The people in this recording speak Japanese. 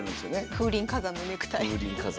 風林火山のネクタイ。